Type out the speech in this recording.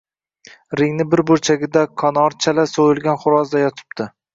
Ringni bir burchagida Qonor chala soʻyilgan xoʻrozday yotibdi.